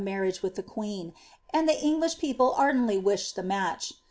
9(HI riage with the queen, and the English people ardentir wished the match